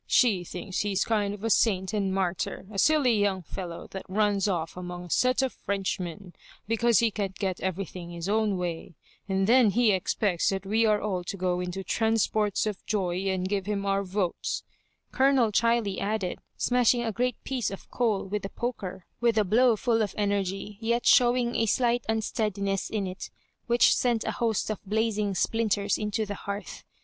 She thinks he's a kind of saint and martyr; a silly young fellow that runs off among a set of Frenchmen because he can't get everything his own way — and then he expects that we are all to go into transports of joy, and give him our votes," Colonel Chiley added, smashing a great piece of coal with the poker, with a blow full of energy, yet showing a slight unsteadiness in it, which sent a host of blazing splinters into the hearth.